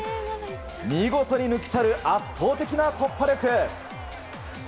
見事に抜き去る圧倒的な突破力。